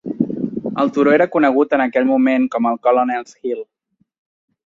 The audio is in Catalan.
El turó era conegut en aquell moment com el "Colonel's Hill".